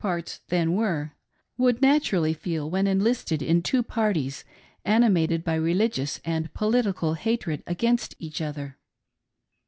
parts then were — would naturally feel when enlisted in two parties,. animated by religious and politi cal hatred against each other.